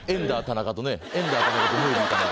エンダー田中とねムービー田中。